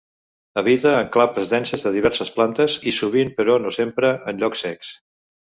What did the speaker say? Habita en clapes denses de diverses plantes, i sovint, però no sempre, en llocs secs.